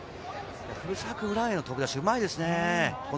裏への飛び出し、うまいですね。